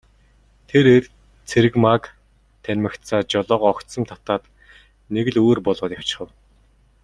Тэр эр Цэрэгмааг танимагцаа жолоогоо огцом татаад нэг л өөр болоод явчхав.